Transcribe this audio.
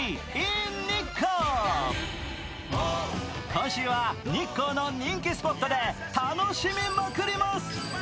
今週は日光の人気スポットで楽しみまくります。